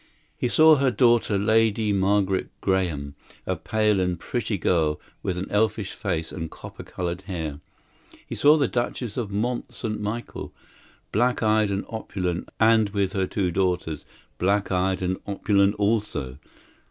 He saw her daughter, Lady Margaret Graham, a pale and pretty girl with an elfish face and copper coloured hair. He saw the Duchess of Mont St. Michel, black eyed and opulent, and with her her two daughters, black eyed and opulent also.